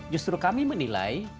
justru kami menilai